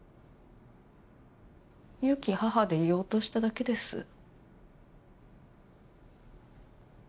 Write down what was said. よき母でいようとしただけです。